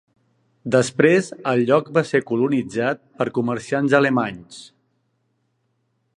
Després el lloc va ser colonitzat per comerciants alemanys.